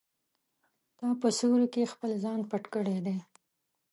تا په سیوري کې خپل ځان پټ کړی دی.